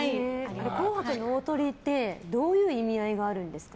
「紅白」の大トリってどういう意味合いがあるんですか。